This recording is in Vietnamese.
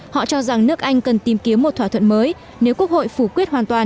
họ cho rằng nước anh cần tìm kiếm một thỏa thuận mới nếu quốc hội phủ quyết hoàn toàn